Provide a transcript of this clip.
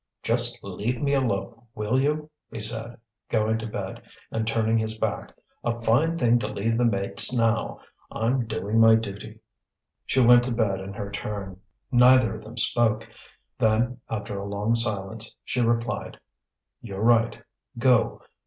"Just leave me alone, will you?" he said, going to bed and turning his back. "A fine thing to leave the mates now! I'm doing my duty." She went to bed in her turn. Neither of them spoke. Then, after a long silence, she replied: "You're right; go.